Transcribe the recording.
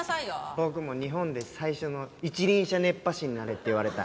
僕も日本で最初の一輪車熱波師になれって言われた。